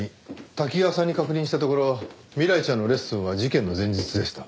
多岐川さんに確認したところ未来ちゃんのレッスンは事件の前日でした。